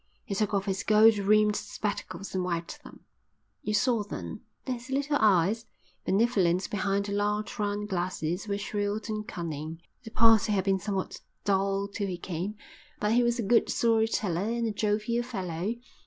He took off his gold rimmed spectacles and wiped them; you saw then that his little eyes, benevolent behind the large round glasses, were shrewd and cunning; the party had been somewhat dull till he came, but he was a good story teller and a jovial fellow.